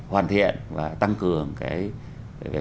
hoàn thiện và tăng cường cái